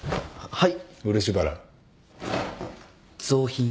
はい。